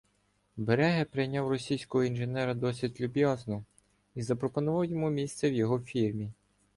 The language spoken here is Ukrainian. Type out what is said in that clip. Бреге прийняв російського інженера досить люб'язно і запропонував йому місце в його фірмі.